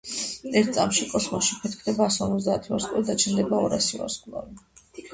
ერთ წამში კოსმოსში ფეთქდება ასორმოცდაათი ვარსკვლავი და ჩნდება ორასი ვარსკვლავი.